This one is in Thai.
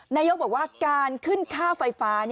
นายกบอกว่าการขึ้นค่าไฟฟ้า